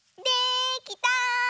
できた！